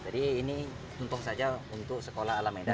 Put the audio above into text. jadi ini untung saja untuk sekolah alameda